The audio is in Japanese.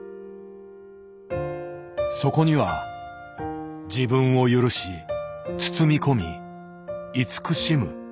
そこには「自分を許し包み込み慈しむ」。